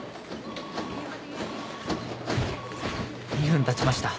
２分たちました。